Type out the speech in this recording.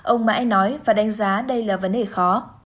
ông mãi nói và đánh giá đây là vấn đề khó